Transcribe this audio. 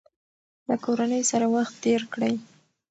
له کورنۍ سره وخت تېر کړئ.